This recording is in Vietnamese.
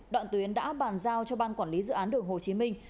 đoạn tuyến đã bàn giao cho ban quản lý dự án đường hồ chí minh